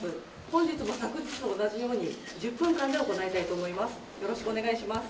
本日も昨日と同じように、１０分間で行いたいと思います。